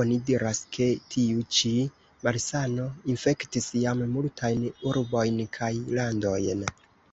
Oni diras, ke tiu ĉi malsano infektis jam multajn urbojn kaj landojn.